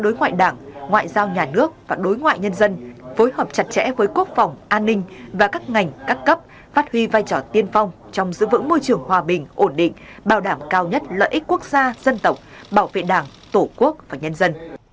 đối ngoại đảng ngoại giao nhà nước và đối ngoại nhân dân phối hợp chặt chẽ với quốc phòng an ninh và các ngành các cấp phát huy vai trò tiên phong trong giữ vững môi trường hòa bình ổn định bảo đảm cao nhất lợi ích quốc gia dân tộc bảo vệ đảng tổ quốc và nhân dân